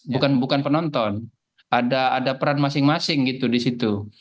bukan penonton ada peran masing masing gitu di situ